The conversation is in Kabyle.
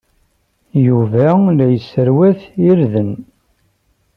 Yuba la yesserwat irden.